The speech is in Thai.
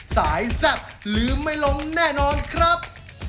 แซ่บลืมไม่ลงแน่นอนครับ